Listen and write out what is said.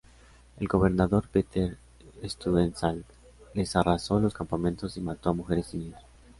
El gobernador Peter Stuyvesant les arrasó los campamentos y mató a mujeres y niños.